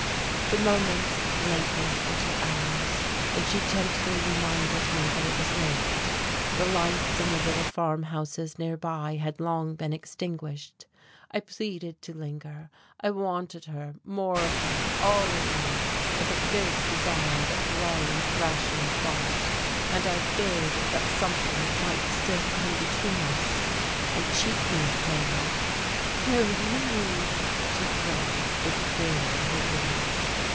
The moments lengthened into hours, and she gently reminded me that it was late. The lights in the little farmhouses near by had long been extinguished. I pleaded to linger; I wanted her, more of her, all of her with a fierce desire that drowned rational thought, and I feared that something might still come between us, and cheat me of her. "No, no," she cried, with fear in her voice.